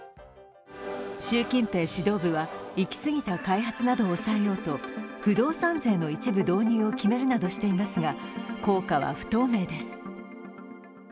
習近平指導部はいきすぎた開発などを抑えようと不動産税の一部導入を決めるなどしていますが効果は不透明です。